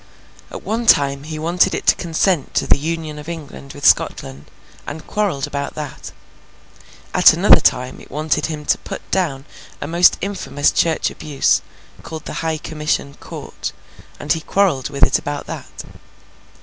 At one time he wanted it to consent to the Union of England with Scotland, and quarrelled about that. At another time it wanted him to put down a most infamous Church abuse, called the High Commission Court, and he quarrelled with it about that.